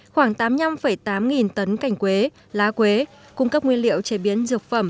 khoảng tám mươi năm tấn cành quế lá quế cung cấp nguyên liệu chế biến dược phẩm